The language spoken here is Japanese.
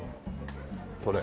これ。